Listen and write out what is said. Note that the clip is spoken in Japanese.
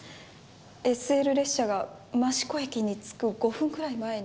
ＳＬ列車が益子駅に着く５分くらい前に。